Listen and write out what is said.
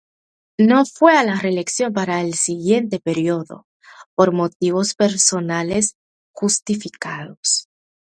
No fue a la reelección para el siguiente período, por motivos personales justificados.